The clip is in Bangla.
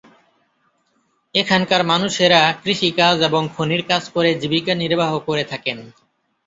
এখানকার মানুষেরা কৃষি কাজ এবং খনির কাজ করে জীবিকা নির্বাহ করে থাকেন।